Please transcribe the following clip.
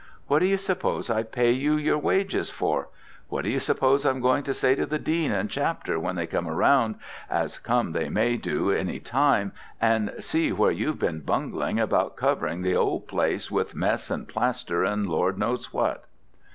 What do you suppose I pay you your wages for? What do you suppose I'm going to say to the Dean and Chapter when they come round, as come they may do any time, and see where you've been bungling about covering the 'ole place with mess and plaster and Lord knows what?'